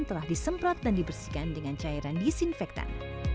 telah disemprot dan dibersihkan dengan cairan disinfektan